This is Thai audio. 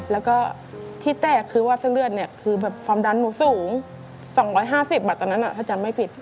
แล้วก็ที่แตกคือว่าเส้นเลือดเนี่ยคือแบบความดันหนูสูง๒๕๐บาทตอนนั้นถ้าจำไม่ผิด